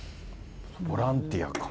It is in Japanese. ボランティアか。